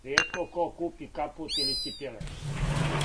Ријетко ко купи капут или ципеле.